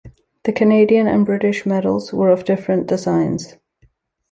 The Canadian and British medals were of different designs.